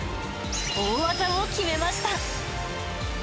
大技を決めました。